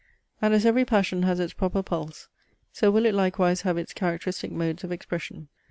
And as every passion has its proper pulse, so will it likewise have its characteristic modes of expression.